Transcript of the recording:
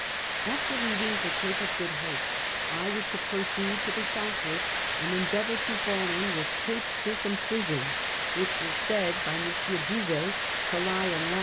After leaving the Cajie of Good Hope, I was to proceed to the southward and endeavour to fall in with Cape Circumcision, which was said by klonsieur Bouvet to lie in lat.